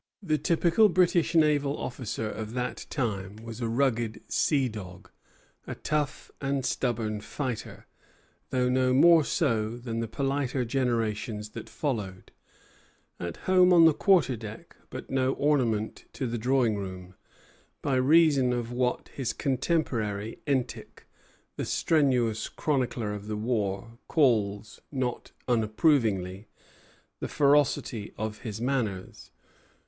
The typical British naval officer of that time was a rugged sea dog, a tough and stubborn fighter, though no more so than the politer generations that followed, at home on the quarter deck, but no ornament to the drawing room, by reason of what his contemporary, Entick, the strenuous chronicler of the war, calls, not unapprovingly, "the ferocity of his manners."